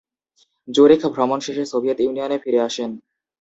জুরিখ ভ্রমণ শেষে সোভিয়েত ইউনিয়নে ফিরে আসেন।